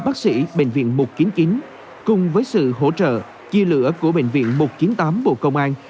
bác sĩ bệnh viện một trăm chín mươi chín cùng với sự hỗ trợ chia lửa của bệnh viện một trăm chín mươi tám bộ công an